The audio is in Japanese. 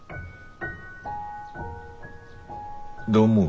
どう思う？